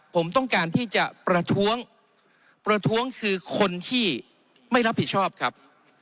ผมต้องการที่จะประท้วงประท้วงคือคนที่ไม่รับผิดชอบครับ